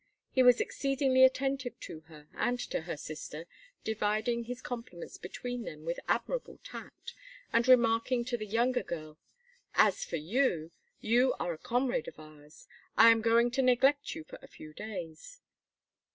He was exceedingly attentive to her and to her sister, dividing his compliments between them with admirable tact, and remarking to the younger girl: "As for you, you are a comrade of ours I am going to neglect you for a few days.